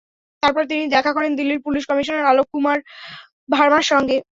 তারপর তিনি দেখা করেন দিল্লির পুলিশ কমিশনার অলোক কুমার ভার্মার সঙ্গে।